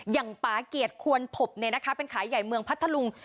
อย่างปาเกียรติควรถบในนะคะเป็นขายใหญ่เมืองพัทธลุง